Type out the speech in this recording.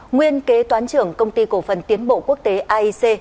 nguyên kế toán trưởng công ty cổ phần tiến bộ quốc tế aic